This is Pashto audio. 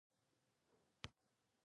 سپین ږیری د صبر او زغم مثال وړاندې کوي